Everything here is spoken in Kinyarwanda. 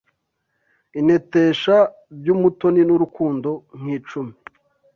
Intetesha by'umutoni N'urukundo nk'icumi